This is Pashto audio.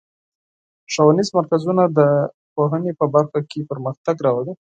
ښوونیز مرکزونه د تعلیم په برخه کې پرمختګ راولي.